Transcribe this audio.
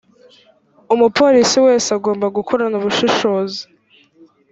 umupolisi wese agomba gukorana ubushishozi